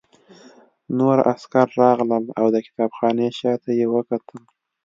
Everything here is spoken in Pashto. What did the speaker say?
نور عسکر راغلل او د کتابخانې شاته یې وکتل